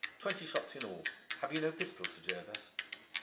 Twenty shots in all. Have you no pistols, Sir Gervas?